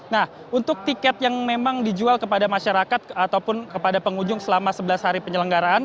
nah untuk tiket yang memang dijual kepada masyarakat ataupun kepada pengunjung selama sebelas hari penyelenggaraan